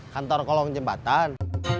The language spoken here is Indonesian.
kantor kolong jembatan